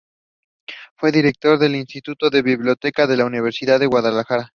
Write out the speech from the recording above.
Fue director del Instituto de Bibliotecas de la Universidad de Guadalajara.